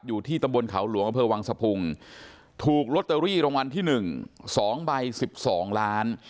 อยู่ที่ตำบลเขาหลวงอำเภอวังสะพุงถูกลอตเตอรี่รางวัลที่๑๒ใบ๑๒ล้าน